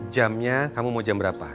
jamnya kamu mau jam berapa